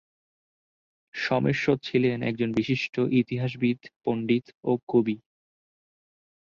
সোমেশ্বর ছিলেন একজন বিশিষ্ট ইতিহাসবিদ, পণ্ডিত ও কবি।